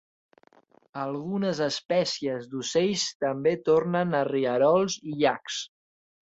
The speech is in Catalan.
Algunes espècies d'ocells també tornen a rierols i llacs.